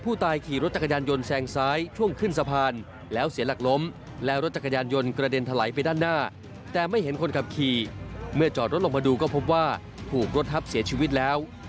เมื่อจอดรถลงมาดูก็พบว่าถูกรถทัพเสียชีวิตแล้ว